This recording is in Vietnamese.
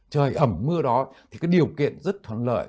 trời ẩm mưa đó thì cái điều kiện rất thuận lợi